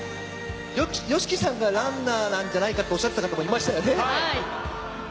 ＹＯＳＨＩＫＩさんがランナーなんじゃないか？とおっしゃっていた方もいましたよね。